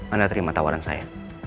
anda terima tawaran saya